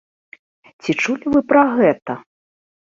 Ці чулі вы пра гэта?